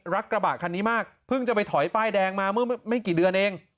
กระบะคันนี้มากเพิ่งจะไปถอยป้ายแดงมาเมื่อไม่กี่เดือนเอง